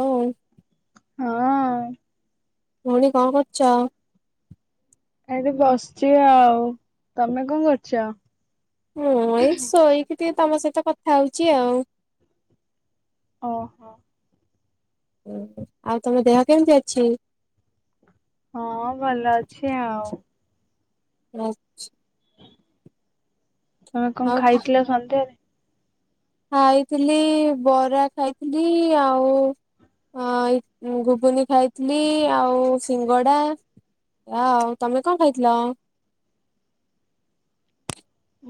ହୋଉ। ହଁ ଭଉଣୀ କଣ କରୁଚ? ଏଇଠି ବସିଚି ଆଉ ତମେ କଣ କରୁଚ? ମୁଁ ଏଇ ଶୋଇକି ଟିକେ ତମ ସହିତ କଥା ହଉଚି ଆଉ। ଓହୋ। ଓହୋ ଆଉ ତମ ଦେହ କେମିତି ଅଛି? ହଁ ଭଲ ଅଛି ଆଉ। [unintelligible] ତମେ କଣ ଆଉ ଖାଇଥିଲ ସନ୍ଧ୍ୟାରେ? ଖାଇଥିଲି ବରା ଖାଇଥିଲି ଆଉ ହଁ ଏଇ ଘୁଗୁନି ଖାଇ ଥିଲି ଆଉ ସିଙ୍ଗଡା ଆ ଆଉ ତମେ କଣ ଖାଇଥିଲ?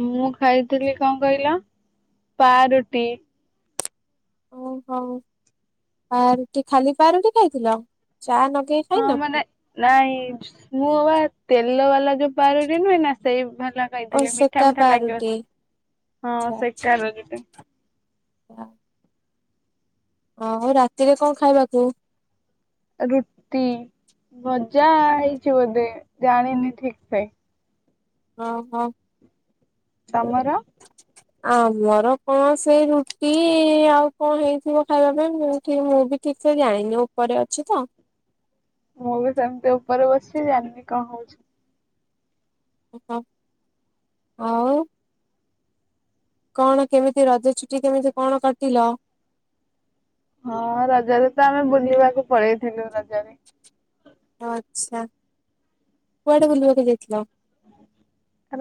ମୁଁ ଖାଇଥିଲି କଣ କଇଲ ପାରୁଟି। ଔ ହୋଉ ପା ରୁଟି ଖାଲି ପାରୁଟି ଖାଇଥିଲ ଚା ନଗେଇ ହଁ ଖାଇନ କି? ମାନେ ନାଇଁ ମୁଁ ବା ତେଲ ବାଲା ଯୋଉ ପାରୁଟି ନୁହେଁ ନା ସେଇ ଭଳିଆ ଓ କହିଥିଲେ ସେକା ମିଠା ମିଠା ଲାଗିବ। ପାରୁଟି ହଁ ଆଚ୍ଛା ଆଚ୍ଛା। ସେକାର ଯୋଉଟା। ହଁ ଆଉ ରାତିରେ କଣ ଖାଇବାକୁ? ରୁଟି, ଭଜା ହେଇଛି ବୋଧେ ଜାଣିନି ଠିକ୍ ସେ। [unintelligible] ତମର? [inaudible] ଆମର କଣ ସେଇ ରୁଟି ଆଉ କଣ ହେଇଥିବ ଖାଇବା ପାଇଁ ମୁଁ ଠିକ୍ ମୁଁ ବି ଠିକ୍ ସେ ଜାଣିନି ଉପରେ ଅଛି ତ। ମୁଁ ବି ସେମିତି ଉପରେ ବସି ଜାଣିନି କଣ ହଉଛି। ଓ ଆଉ କଣ କେମିତି ରଜ ଛୁଟି କେମିତି କଣ କାଟିଲ? ହଁ ରଜରେ ତ ଆମେ ବୁଲିବାକୁ ପଳେଇଥିଲୁ ରଜରେ। ଆଚ୍ଛା କୁଆଡେ ବୁଲିବାକୁ ଯାଇଥିଲ?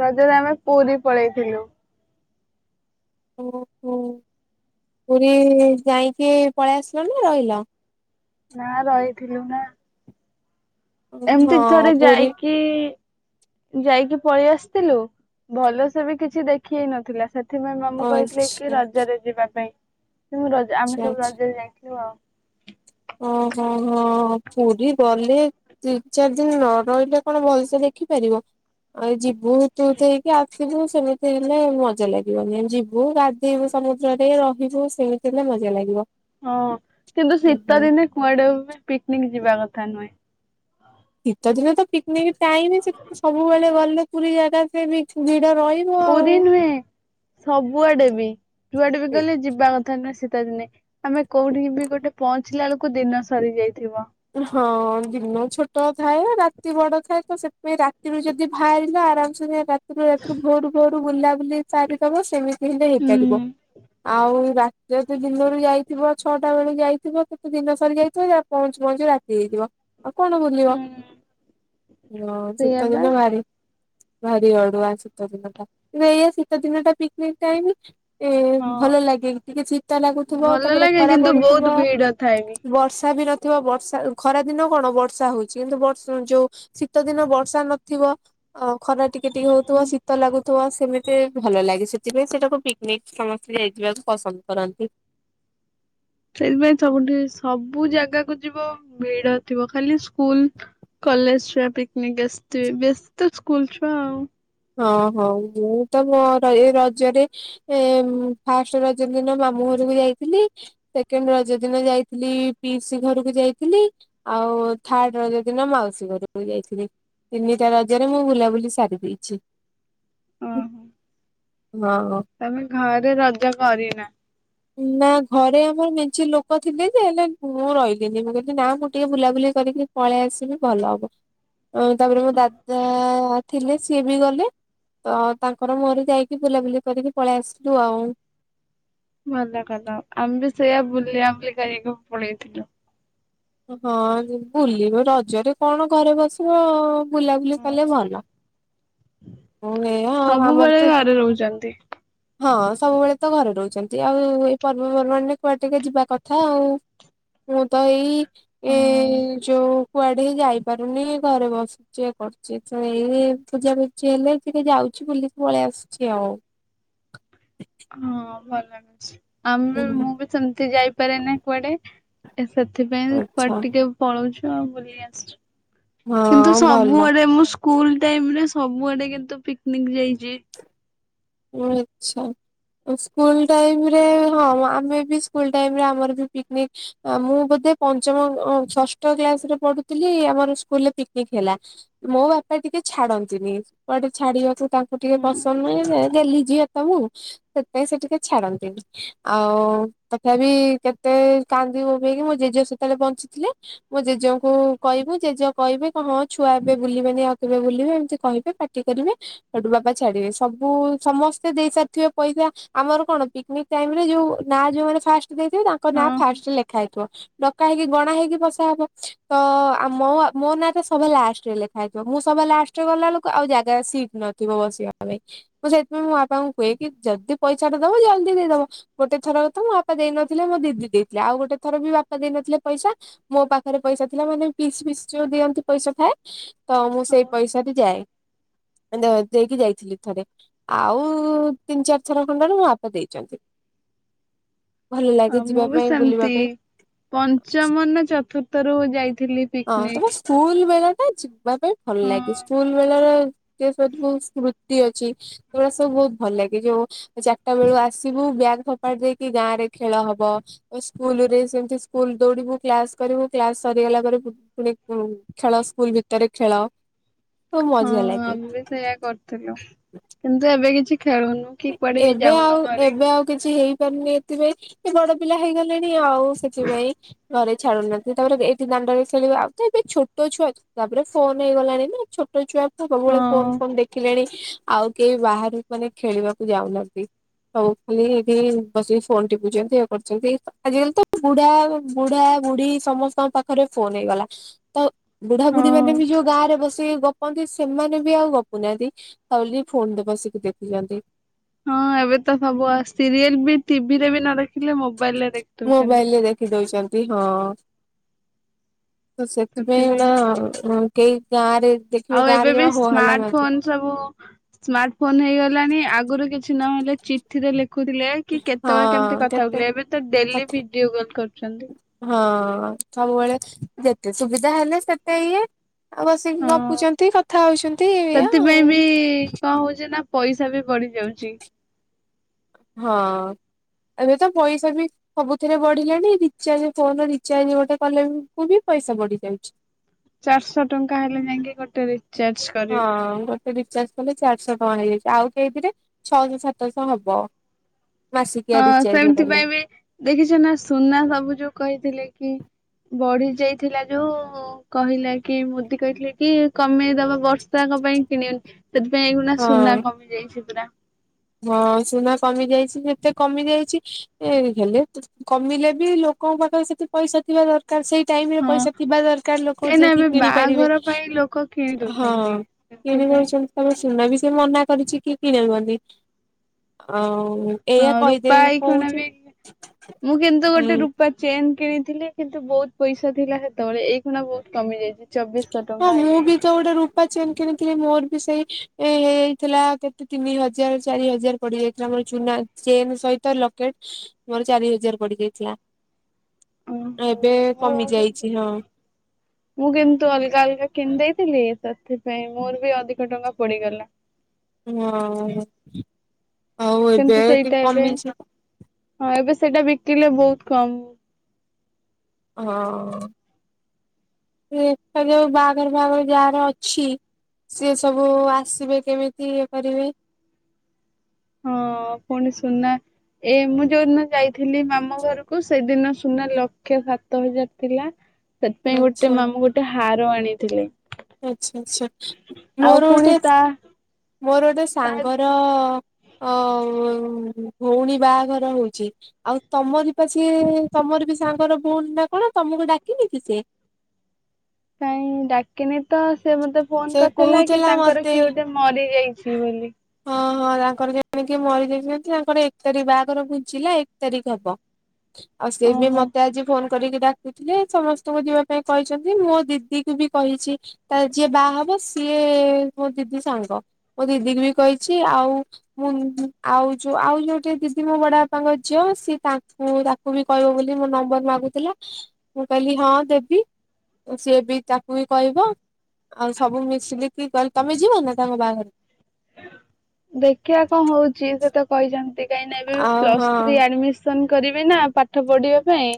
ରଜରେ ଆମେ ପୁରୀ ପଳେଇଥିଲୁ। ଓହୋ ପୁରୀ ଯାଇକି ପଳେଇ ଆସିଲ ନା ରହିଲ? ନା ରହିଥିଲୁ ନା। ଏମିତି ହଁ ଥରେ ପୁରୀ ଯାଇକି ଯାଇକି ପଳେଇ ଆସିଥିଲୁ ଭଲ ସେ ବି କିଛି ଦେଖି ହେଇ ନଥିଲା ସେ ସେଥିପାଇଁ ମାମୁ କହିଥିଲେ କି ଆଚ୍ଛା ରଜରେ ଯିବା ପାଇଁଁ [unintelligible] ରଜ ଆମେ ଆଚ୍ଛା ସବୁ ଆଚ୍ଛା ରଜରେ ଯାଇଥିଲୁ ଆଉ। ଓହୋ ହୋ ପୁରୀ ଗଲେ ତିନି ଚାରି ଦିନ ନ ରହିଲେ କଣ ଭଲସେ ଦେଖିପାରିବ ଆଉ ଯିବୁ ତୁଇକି ଆ ଥିବୁ ସେମିତି ହେଲେ ମଜା ଲାଗିବନି ଯିବୁ ଗାଧେଇୁ ସମୁଦ୍ରରେ ରହିବୁ ସେମିତି ହେଲେ ମଜା ଲାଗିବ। ହଁ କିନ୍ତୁ ଶୀତ ଦିନେ କୁଆଡେ ବି ପିକନିକ ଯିବା କଥା ନୁହେଁ। ଶୀତ ଦିନ ତ ପିକନିକ ଟାଇମ ସେ ସବୁବେଳେ ଗଲେ ପୁରୀ ଜାଗା ସେ ବି ଭିଡ ରହିବ ଆଉ। ପୁରୀ ନୁହେଁ ସବୁଆଡେ ବି ଜୁଆଡେ ବି ଗଲେ ଯିବା କଥା ନୁହଁ ଶୀତ ଦିନେ ଆମେ କୋଉଠି ବି ଗୋଟେ ପହଁଞ୍ଚିଲା ବେଳକୁ ଦିନ ସରି ଯାଇଥିବ। ହଁ ଦିନ ଛୋଟ ଥାଏ ରାତି ବଡ ଥାଏ ତ ସେଥିପାଇଁ ରାତିରୁ ଯଦି ବାହାରିଲ ଆରାମସେ [unintelligible] ରା ରାତି ଭୋରୁ ଭୋରୁ ବୁଲାବୁଲି ସାରିଦେଲେ ସେମିତି ହେଲେ ହୁଁ ହେଇପାରିବ। ଆଉ ରାତିରେ ତୁ ଦିନରୁ ଯାଇଥିବ ଛଅଟା ବେଳକୁ ଯାଇଥିବ ତତେ ଦିନ ସରି ଯାଇଥିବ ଯାହା ପହଞ୍ଚି ଞ୍ଚିବ ରାତି ହେଇଥିବ ଆଉ କଣ ବୁଲିବ ହଁ ସେଇଆ ଶୀତ ବା ଦିନ ଭାରି ଭାରି ଅଡୁଆ ଶୀତ ଦିନ ଟା ଏଇଆ ଶୀତ ଦିନ ଟା ପିକନିକ ଟାଇମ ଏ ଭଲ ହଁ ଲାଗେ ଟିକେ ଶୀତ ଲାଗୁଥିବ ଭଲ ତାପରେ ଲାଗେ ଖରା କିନ୍ତୁ ପଡୁଥିବ। ବହୁତ ଭିଡ ଥାଏ ବି। ବର୍ଷା ବି ନଥିବ ବର୍ଷା ଖରା ଦିନ କଣ ବର୍ଷା ହଉଛି କିନ୍ତୁ ବର୍ଷ ଯୋଉ ଶୀତ ଦିନ ବର୍ଷା ନଥିବ। ଅ ଖରା ଟିକେ ଟିକେ ହଉଥିବ ଶୀତ ଲାଗୁଥିବ ସେମିତି ଭଲ ଲାଗେ ସେ ସେଥିପାଇଁ ସେଇଟାମକୁ ପିକନିକ ସମସ୍ତେ ଯାଇଯିବାକୁ ପସନ୍ଦ କରନ୍ତି। ସେଇଥିପାଇଁ ସବୁଠି ସବୁ ଜାଗାକୁ ଯିବ ଭିଡ ଥିବ ଖାଲି ସ୍କୁଲ କଲେଜ ଛୁଆ ପିକନିକ ଆସିଥିବେ ବେଶୀ ତ ସ୍କୁଲ ଛୁଆ ଆଉ। ହଁ ହଉ ମୁଁ ତ ମୋ ଏ ରଜରେ ଏ ଫାଷ୍ଟ ରଜ ଦିନ ମାମୁଁ ଘରକୁ ଯାଇଥିଲି। ସେକେଣ୍ଡ ରଜ ଦିନ ଯାଇଥିଲି ପିଇସି ଘରକୁ ଯାଇଥିଲି। ଆଉ ଥାର୍ଡ ରଜ ଦିନ ମାଉସୀ ଘରକୁ ଯାଇଥିଲି। ତିନିଟା ରଜରେ ମୁଁ ବୁଲାବୁଲି ସାରିଦି ଛି ଓହୋ ହଁ ହଁ। ତମେ ଘରେ ରଜ କରିନା? ନା ଘରେ ଆମର ମେଞ୍ଚି ଲୋକ ଥିଲେ ଯେ ହେଲେ ମୁଁ ରହିଲିନି ମୁଁ କହିଲି ନା ମୁଁ ଟିକେ ବୁଲାବୁଲି କରିକି ପଳେଇ ଆସିବି ଭଲ ହବ ଆ ତାପରେ ମୋ ଦାଦା ନଥିଲେ ସିଏ ବି ଗଲେ। ତ ତାଙ୍କର ମୋର ଯାଇକି ବୁଲାବୁଲି କରିକି ପଳେଇ ଆସିଲୁ ଆଉ। ଭଲ କଲ ଆମେ ସେଇଆ ବୁଲିଆ ବୁଲି ଗାଇକି ପଳେଇଥିଲୁ। ହଁ ବୁଲିବେ ରଜରେ କଣ ଘରେ ବସିବ ଅ ବୁଲାବୁଲି କଲେ ହଁ। ଭଲ ଏଇ ଆଉ ଆମର ତ କିଣୁଛନ୍ତି। ହଁ ସବୁବେଳେ ତ ଘରେ ରହୁଛନ୍ତି ଆଉ ଏଇଏଇ ପର୍ବପର୍ବାଣୀ ରେ କୁଆଟେ ଟିକେ ଯିବା କଥା ଆଉ। ମୁଁ ତ ଏଇ ଏ ହଁ ଯୋଉ କୁଆଡେ ଯାଇପାରୁନି ଘରେ ବସ ସିଏ କରୁଛି ତ ଏଇ ପୂଜା ପୂଜି ହେଲେ ଟିକେ ଯାଉଛି ବୁଲିକି ପଳେଇ ଆସୁଛି ଆଉ। ହ ହଁ ଭଲ ଲାଗୁଛି ଆମେ ମୁଁ ହୁଁ। ବି ସେମିତି ଯାଇପାରେ ନାଇଁ କୁଆଡେ। ଏ ସେଥିପାଇଁ ଆଚ୍ଛା କୁଆଡ ଟିକେ ପଳଉଛୁ ଆଉ ବୁଲି ଆସିଛୁ। କିନ୍ତୁ ହଁ ଭଲ ସବୁଆଡେ ମୁଁ ସ୍କୁଲ ଟାଇମ୍ ରେ ସବୁଆଡେ କିନ୍ତୁ ପିକନିକ୍ ଯାଇଛି। ଓ ରେ ଆଛା। ସ୍କୁଲ ଟାଇମ୍ ରେ ହଁ ଆମେ ବି ସ୍କୁଲ ଟାଇମରେ ଆମର ବି ପିକନିକ୍ ମୁଁ ବୋଧେ ପଞ୍ଚମ ଷଷ୍ଠ କ୍ଲାସ୍ ରେ ପଢୁଥିଲି ଆମର ସ୍କୁଲରେ ପିକନିକ ହେଲା। ମୋ ବାପା ଟିକେ ଛାଡନ୍ତିନି କୁଆଡେ ଛାଡିବାକୁ ତାଙ୍କୁ ଟିକେ ହୁଁ ପସନ୍ଦ ନୁହେଁ ରେ। ଗେଲିହି ଝିଅ ତ ମୁଁ ସେଥିପାଇଁ ସେ ଟିକେ ଛାଡନ୍ତିନି। ଆଉ ତଥାପି କେତେ କାନ୍ଦି ବୋବେଇକି ମୋ ଜେଜେ ସେତବେଳେ ବଞ୍ଚିଥିଲେ। ମୋ ଜେଜେଙ୍କୁ କହିବୁ ଜେଜେ କହିବେ ହଁ ଛୁଆ ଏବେ ବୁଲିବେନି ଆଉ କେବେ ବୁଲିବେ ଏମିତି କହିବେ ପା ଟି କରିବେ ଆଉ ସେଇଠୁ ବାପା ଛାଡିବେ ସବୁ ସମସ୍ତେ ଦେଇ ସାରିଥିବେ ପଇସା ଆମର କଣ ପିକନିକ ଟାଇମ୍ ରେ ଯୋଉ ନା ଯୋଉ ମାନେ ଫାଷ୍ଟ ଦେଇଥିବେ ତାଙ୍କ ନାଁ ହଁ ଫାଷ୍ଟ ରେ ଲେଖା ହେଇଥିବ। ଡକା ହେଇକି ଗଣା ହେଇକି ବସା ହବ ତ ଆମ ମୋ-ମୋ ନାଁ ତ ସଭା ଲାଷ୍ଟ ରେ ଲେଖା ହେଇଥିବ, ମୁଁ ସଭା ଲାଷ୍ଟ ରେ ଗଲା ବେଳକୁ ଆଉ ଜାଗା ସିଟ୍ ନଥିବ ବସିବା ପାଇଁ। ମୁଁ ସେଥିପାଇଁ ମୋ ବାପାଙ୍କୁ କୁହେ କି ଯଦି ପଇସା ଟା ଦବ ଜଲଦି ଦେଇଦବ। ଗୋଟେ ଥର ତ ମୋ ବାପା ଦେଇନଥିଲେ ମୋ ଦିଦି ଦେଇଥିଲା ଆଉ ଗୋଟେ ଥର ବି ବାପା ଦେଇ ନଥିଲେ ପଇସା। ମୋ ପାଖରେ ପଇସା ଥିଲା ମାନେ ପିଇସି ଫିଇସି ଯୋଉ ଦିଅନ୍ତି ପଇସା ଥାଏ। ତ ମୁଁ ସେଇ ହଉ ପଇସାରେ ଯାଏ ଦ ଦେଇକି ଯାଇଥିଲି ଥରେ। ଆଉ ତିନି ଚାରି ଥର ଖଣ୍ଡେ ନାଁ ମୋ ବାପା ଦେଇଛନ୍ତି। ଭଲ ଆଉ ଲାଗେ ମୁଁ ଯିବା ବି ପାଇଁ ବୁଲିବା ସେମିତି। ପାଇଁ। ପଞ୍ଚମ ନା ଚତୁର୍ଥରୁ ଯାଇଥିଲି। ହଁ ପିକନିକ ତମ ସ୍କୁଲ ବେଳା ଟା ଯିବା ପାଇଁ ଭଲ ହଁ। ଲାଗେ ସ୍କୁଲ ବେଳର ସେ ସ୍ମୃତି ଅଛି ସେଗୁଡା ସବୁ ବହୁତ ଭଲ ଲାଗେ ଯୋଉ ଚାରିଟା ବେଳୁ ଆସିବୁ ବ୍ୟାଗ୍ ଫୋପାଡି ଦେଇକି ଗାଁ ରେ ଖେଳ ହବ। ଓ ସ୍କୁଲ୍ ରେ ସେମତି ସ୍କୁଲ୍ ଦୌଡିବୁ କ୍ଲାସ୍ କରିବୁ କ୍ଲାସ୍ ସରିଗଲା ପରେ ପୁଣି ଉଁ ଖେଳ ସ୍କୁଲ୍ ଭିତରେ ଖେଳ। ସବୁ ହଁ ମଜା ଲାଗେ। ଆମେ ବି ସେଇଆ କରିଥିଲୁ। କିନ୍ତୁ ଏବେ କିଛି ଖେଳୁନୁ କି କୁଆଡେ ବି ଏବେ ଆଉ ଯାଉନୁ ଘରେ। ଏବେ ଆଉ କିଛି ହେଇ ପାରୁନି ଏଥିପାଇଁ ଏ ବଡ ପିଲା ହେଇଗ ଲିଣି ଆଉ ସେଥିପାଇଁ ଘରେ ଛାଡୁନାହାଁନ୍ତି ତାପରେ ଏଇଠି ଦାଣ୍ଡରେ ଖେଳିବ ଆଉ ତ ଏବେ ଛୋ ଟ ଛୁଆ ତାପରେ ଫୋନ୍ ହେଇଗଲାଣି ନା ଛୋଟ ଛୁଆ ତ ସବୁବେଳେ ହଁ। ଫୋନ୍-ଫୋନ୍ ଦେ ଖିଲେଣି ଆଉ କେହି ବାହାରୁ ମାନେ ଖେଳିବାକୁ ଯାଉନାହାଁନ୍ତି। ସବୁ ଖାଲି ଏଇଠି ବସିକି ଫୋନ୍ ଟିପୁଛନ୍ତି ଇଏ କରୁଛନ୍ତି ଆଜିକାଲି ତ ବୁଢା ବୁଢା ବୁଢୀ ସମସ୍ତଙ୍କ ପାଖରେ ଫୋନ୍ ହେଇଗଲା ତ ବୁଢ଼ାବୁଢୀ ହଁ ମାନେ ବି ଯୋଉ ଗାଁରେ ବସି ଗ ଗପନ୍ତି ସେମାନେ ବି ଆଉ ଗପୁନାହାଁନ୍ତି ତ ଫୋନ୍ ରେ ବସିକି ଦେଖୁଛନ୍ତି। ହଁ ଏବେ ତ ସବୁ ସିରିଏଲ୍ ବି ଟିଭି ରେ ବି ନ ଦେଖିଲେ ମୋବାଇଲ୍ ରେ ମୋବାଇଲ୍ ରେ ଦେଖିଦଉଛନ୍ତି ହଁ। ତ ସେଥିପାଇଁ ନା କେହି ଗାଁରେ ଆଉ ଏବେ ବି ସ୍ମାଟ୍ ଫୋନ୍ ସବୁ ସ୍ମାଟ୍ ଫୋନ୍ ହେଇଗଲାଣି ଆଗରୁ କିଛି ନହଲେ ଚିଠି ରେ ଲେଖୁଥିଲେ କି କେତବେଳେ କେମତି ହଁ କଥା କେତେ ହଉଥିଲେ ଏବେ ତ ଡେଲି ଭିଡିଓ କଲ୍ କରୁଛନ୍ତି। ହଁ ସବୁବେଳେ ଯେତେ ସୁବିଧା ହେଲେ ସେତେ ଇଏ ଆଉ ବସିକି ହଁ। ଗପୁଛନ୍ତି କଥା ହଉଛନ୍ତି ଏଇଆ ସେଥିପାଇଁ ବି କଣ ଆଉ ହଉଛି ନା ପଇସା ବି ବଢି ଯାଉଛି। ହଁ ଏବେ ତ ପଇସା ବି ସବୁଥିରେ ବଢିଲାଣି ରିଚାର୍ଜ ଫୋନ୍ ରିଚାର୍ଜ ଗୋଟେ କଲେବି ପଇସା ବଢି ଯାଉଛି। ଚାରିଶହ ଟଙ୍କା ହେଲେ ଯାଇକି ଗୋଟେ ରିଚାର୍ଜ କରି ହଁ ବା। ରିଚାର୍ଜ କଲେ ଚାରିଶହ ଟଙ୍କା ହେଇଯାଇଛି ଆଉ କେହିଥିରେ ଛଅଶହ ସାତଶହ ହବ। ମାସିକିଆ ହଁ ରିଚାର୍ଜ ସେମିତି କଲେ ପାଇଁ ବି ଦେଖିଛ ନା ସୁନା ସବୁ ଯୋଉ କହିଥିଲେ କି ବଢି ଯାଇଥିଲା ଯୋଉ କହିଲା କି ମୋଦି କହିଥିଲେ କି କମେଇ ଦବା ବର୍ଷାକ ପାଇଁ କିଣିବନି ସେଥିପାଇଁ ଏଗୁନା ହଁ ସୁନା କମି ଯାଇଛି ପୁରା। ହଁ ସୁନା କମି ଯାଇଛି ଯେତେ କମି ଯାଇଛି ହେଲେ କମିଲେ ବି ଲୋକଙ୍କ ପାଖରେ ସେତିକି ପଇସା ଥିବା ଦରକାର। କା ସେଇ ଟାଇମ୍ ରେ ହଁ ପଇସା ଥିବା ଦରକାର ଲୋକ କାହିଁକି ନା ଯିଏକି ଏବେ କିଣି ପାରିବେ ବାହାଘର ପାଇଁ ଲୋକ କିଣି ହଁ। ଦଉଛନ୍ତି କିଣି ସେଥିପାଇଁ ରହିଛନ୍ତି ତମେ ସୁନା ବି ସେ ମନା କରିଛି କି କିଣିବନି। ହଉ ହଁ ରୂପା ଏଇ ଖଣ ବି ମୁଁ କିନ୍ତୁ ଗୋଟେ ହୁଁ ରୂପା ଚେନ୍ କିଣିଥିଲି କିନ୍ତୁ ବହୁତ ପଇସା ଥିଲା ସେତେବେଳେ ଏଇ କ୍ଷୀନା ବହୁତ କମି ଯାଇଛି। ଚବିଶଶହ ହଁ ଟଙ୍କା ମୁଁ ବି ହେଇଯାଇଛି ତ ଗୋଟେ ରୂପା ଚେନ୍ କିଣିଥିଲି ମୋର ବି ସେଇ ହେଇଯାଇଥିଲା କେତେ ତିନି ହଜାର ଚାରି ହଜାର ପଡି ଯାଇଥିଲା ଆମର ସୁନା ଚେନ୍ ସହିତ ଲକେଟ ମୋର ଚାରି ହଜାର ପଡିଯାଇଥିଲା ଏବେ ଓହୋ ମୁଁ କମି କିନ୍ତୁ ଯାଇଛି ହଁ। ମୁଁ କିନ୍ତୁ ଅଲଗା ଅଲଗା କିଣିଦେଇଥିଲି ସେଥିପାଇଁ ମୋର ବି ଅଧିକ ଟଙ୍କା ପଡିଗଲା। ହଁ ଆଉ କିନ୍ତୁ ଏବେ ଟି ସେଇଟା ଏବେ କମିସନ ହଁ ଏବେ ସେଇଟା ବିକିଲେ ବହୁତ କମ୍। ହଁ ଦେଖା ଯାଉ ବାହାଘର ଫାହାଘର ଯାର ଅଛି। ସିଏ ସବୁ ଆସିବେ କେମିତି ଇଏ କରିବେ। ହଁ ପୁଣି ସୁନା ଏ ମୁଁ ଯୋଉଦିନ ଯାଇଥିଲି ମାମୁ ଘରକୁ ସେଇଦିନ ସୁନା ଲକ୍ଷେ ସାତ ହଜାର ଥିଲା ସେଥିପାଇଁ ଗୋଟେ ଆଚ୍ଛା ମାମୁଁ ଗୋଟେ ହାର ଆଣିଥିଲେ। ଆଚ୍ଛା ଆଚ୍ଛା ଆଉ ମୋର ପୁଣି ଗୋଟେ ତା ମୋର ଗୋଟେ ତା ସାଙ୍ଗର ଅ ଭଉଣୀ ବାହାଘର ହଉଛି ଆଉ ତମର ବା ସିଏ ତମର ବି ସାଙ୍ଗର ଭଉଣୀ ନା କଣ ତମକୁ ଡାକିନି କି ସେ? କାଇଁ ଡାକିନି ତ ସେ ମତେ ଫୋନ ସେ କରିଥିଲା କି କହୁଥିଲା ତାଙ୍କର ମତେ କିଏ ଗୋଟେ ମରି ଯାଇଛି ବୋଲି। ହଁ ହଁ ତାଙ୍କର ଜଣେ କିଏ ମରିଯାଇଛନ୍ତି ତାଙ୍କର ଏକ ତାରିଖ ବାହାଘର ପୁଞ୍ଚିଲା ଏକ ତାରିଖ ହବ। ଆଉ ସେ ବି ଓହୋ। ମତେ ଆଜି ଫୋନ କରିକି ଡାକୁଥିଲେ ସମସ୍ତଙ୍କୁ ଯିବା ପାଇଁ କହିଛନ୍ତି ମୋ ଦିଦିକୁ ବି କହିଛି ତା ଯିଏ ବାହା ହବ ସିଏ ମୋ ଦିଦି ସାଙ୍ଗ ମୋ ଦିଦିକୁ ବି କହିଛି ଆଉ ମୁଁ ଆଉ ଯୋଉ ଆଉ ଯୋଉଟେ ଦିଦି ମୋ ବଡ ବାପାଙ୍କ ଝିଅ ସିଏ ତାଙ୍କୁ ବି କହିବ ବୋଲି ମୋ ନମ୍ବର ମାଗୁଥିଲା ମୁଁ କହିଲି ହଁ ଦେବି। ସିଏ ବି ତାକୁ ବି କହିବ। ଆଉ ସବୁ ମିଶିଲିକି କହିଲି ତମେ ଯିବ ନା ତାଙ୍କ ବାହାଘରକୁ। ଦେଖିବା କଣ ହୋଉଛି ସେ ତ କହିଛନ୍ତି କାହିଁକି ନା ଏବେ ଆଉ ପ୍ଲସ୍ ଥ୍ରୀ ହଁ ଆଡ଼ମିଶନ ଶନ୍ କରିବିନା ପାଠ ପଢିବା ପାଇଁ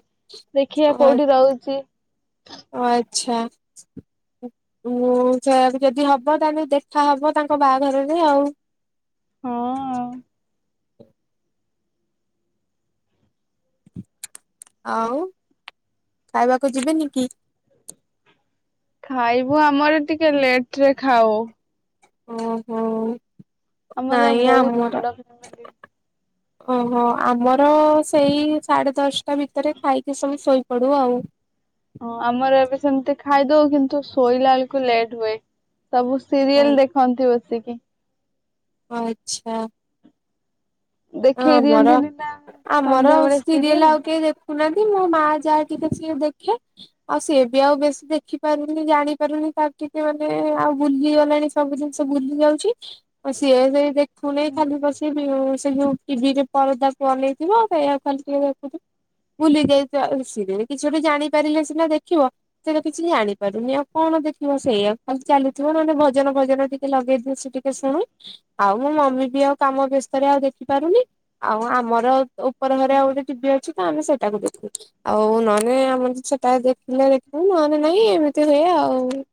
ଦେଖିବା କୋଉଠି ରହୁଛି। ଓ ଆଚ୍ଛା। ଉଁ ସେ ଯଦି ହବ ତାହେଲେ ଦେଖା ହବ ତାଙ୍କ ବାହାଘରରେ ଆଉ। ହଁ ଆଉ। ଆଉ ଖାଇବାକୁ ଯିବେନି କି? ଖାଇବୁ ଆମର ଟିକେ ଲେଟ୍ ରେ ଖାଉ। ଓହୋ ଆମର ନାଇଁ ବହୁତ ଆମର ବଡ ଓହୋ ଆମର ସେଇ ସାଢେ ଦଶଟା ଭିତରେ ଖାଇକି ସବୁ ଶୋଇପଡୁ ଆଉ। ହଁ ଆମର ଏବେ ସେମିତି ଖାଇଦୋଉ କିନ୍ତୁ ଶୋଇଲା ବେଳକୁୁ ଲେଟ୍ ହୁଏ ସବୁ ସିରିଏଲ ଦେଖନ୍ତି ବସିକି। ଆଚ୍ଛା। ଦେଖେଇ ଆମର ଦିଅନ୍ତିନି ନା ଆମର ସନ୍ଧ୍ୟାବେଳେ ସିରିଏଲ ଆଉ କିଏ ଦେଖୁ ନାହାଁନ୍ତି ମୋ ମା ଯାହା ଟିକେ ସିଏ ଦେଖେ। ଆଉ ସିଏ ବି ଆଉ ବେଶୀ ଦେଖିପାରୁନି ଜାଣିପାରୁନି ତାର ଟିକେ ମାନେ ଆଉ ଭୁଲିଗଲାଣି। ସବୁ ଜିନିଷ ଭୁଲି ଯାଉଛି ଆଉ ସିଏ ସେ ଦେଖୁନେଇ ଖାଲି ବସିକି ସେ ଯୋଉ ଟିଭିରେ ପରଦାକୁ ଅନେଇଥିବ ସେଇଆକୁ ଖାଲି ଟିକେ ଦେଖୁଥିବ। ଭୁଲି ଯାଏ ସିରିଏଲ୍ କିଛି ଗୋଟେ ଜାଣିପାରିଲେ ସିନା ଦେଖିବ। ସେଏତ କିଛି ଜାଣିପାରୁନି ଆଉ କଣ ଦେଖିବ ସେଇଆକୁ ଖାଲି ଚାଲୁଥିବ ନହେଲେ ଭଜନ ଫଜନ ଟିକେ ଲଗେଇଦେଲେ ସେ ଟିକେ ଶୁଣେ ଆଉ ମମି ବି ଆଉ କାମ ବ୍ୟସ୍ତରେ ଆଉ ଦେଖି ପାରୁନି ଆଉ ଆମର ଉପର ଘରେ ଆଉ ଗୋଟେ ଟିଭି ଅଛି ତ ଆମେ ସେଟାକୁ ଦେଖୁଚୁ। ଆଉ ନହେଲେ ଆମରେ ସେଟା ଦେଖିଲେ ଦେଖୁ ନହେଲେ ନାହିଁ ଏମିତି ହୁଏ ଆଉ।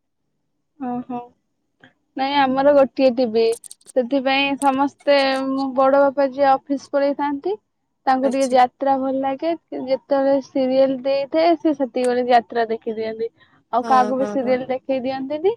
ଓହୋ। ନାହିଁ ଆମର ଗୋଟିଏ ଟିଭି। ସେଥିପାଇଁ ସମସ୍ତେ ମୋ ବଡ ବାପା ଯିଏ ଅଫିସ୍ ପାଳଇଥାନ୍ତି ତାଙ୍କୁ ଟିକେ ଆଚ୍ଛା ଯା ଯାତ୍ରା ଭଲ ଲାଗେ ଯେତେବେଳେ ସିରିଏଲ ଦେଇଥାଏ ସେ ସେତିକି ବଳେ ଯାତ୍ରା ଦେଖିଦିଅନ୍ତି। ଆଉ ହଁ କାହାକୁ ବି ହଁ ହଁ। ସିରିଏଲ ଦେଖେଇ ଦିଅନ୍ତିନି।